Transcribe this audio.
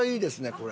これ。